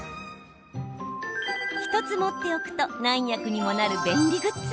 １つ持っておくと何役にもなる便利グッズ。